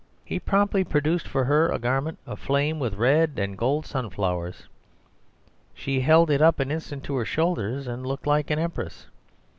He promptly produced for her a garment aflame with red and gold sunflowers; she held it up an instant to her shoulders, and looked like an empress.